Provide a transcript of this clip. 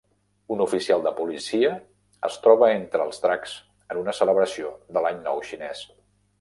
Un oficial de policia es troba entre els dracs en una celebració de l'Any Nou Xinès.